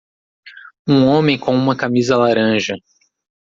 Um homem com uma camisa laranja.